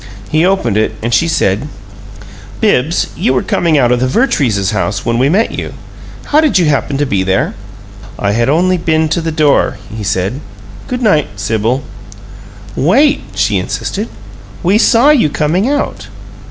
He opened it, and she said: "Bibbs, you were coming out of the Vertreeses' house when we met you. How did you happen to be there?" "I had only been to the door," he said. "Good night, Sibyl." "Wait," she insisted. "We saw you coming out."